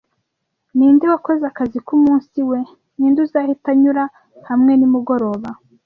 Ninde wakoze akazi k'umunsi we? ninde uzahita anyura hamwe nimugoroba?